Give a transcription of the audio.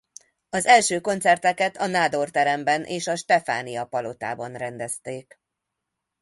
Az első koncerteket a Nádor Teremben és a Stefánia Palotában rendezték.